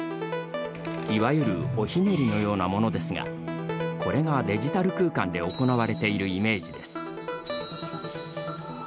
いわゆるおひねりのようなものですがこれがデジタル空間で行われているイメージです。